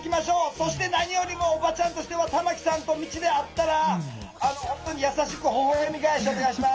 そして何よりもおばちゃんとしては玉木さんと道で会ったら本当に優しくほほえみがえしお願いします。